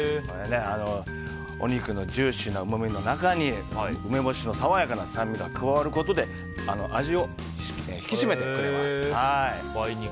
お肉のジューシーなうまみの中に梅干しのさわやかな酸味が加わることで味を引き締めてくれます。